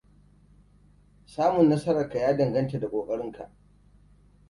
Samun nasarar ka ya danganta da ƙokarinka.